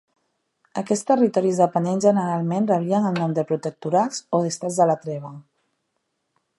Aquests territoris dependents generalment rebien el nom de "protectorats" o "Estats de la Treva".